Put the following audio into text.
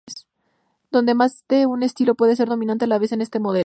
Donde más de un estilo puede ser dominante a la vez en este modelo.